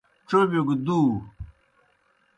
چربِیو گہ دُو۔